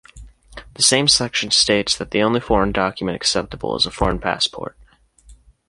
The same section states that the only foreign document acceptable is a foreign passport.